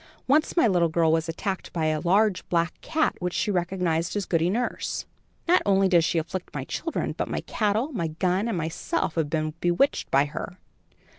Once my little girl was attacked by a large black cat, which she recognized as Goody Nurse. "Not only does she afflict my children; but my cattle, my gun and myself have been bewitched by her."